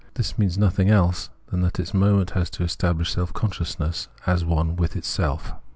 This means nothing else than that this moment has to establish self consciousness as one with itself.